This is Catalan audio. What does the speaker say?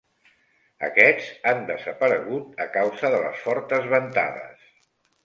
Aquests han desaparegut a causa de les fortes ventades.